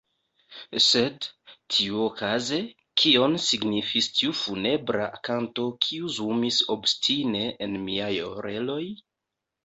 Sed, tiuokaze, kion signifis tiu funebra kanto, kiu zumis obstine en miaj oreloj?